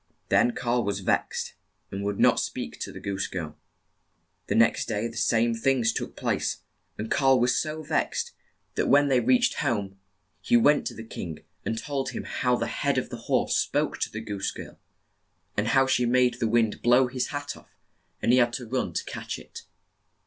Then Karl was vexed, and would not speak to the goose girl. The next day the took place, and Kar' was so vexed that when same things they reached 48 THE GOOSE GIRL home, he went to the king and told him how the head of the horse spoke to the goose girl, and how she made the wind blow his hat off and he had to run to catch it.